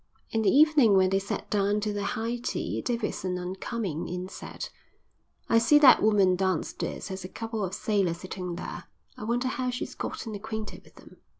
In the evening when they sat down to their high tea Davidson on coming in said: "I see that woman downstairs has a couple of sailors sitting there. I wonder how she's gotten acquainted with them."